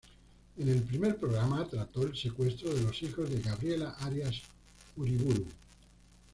En el primer programa trató el secuestro de los hijos de Gabriela Arias Uriburu.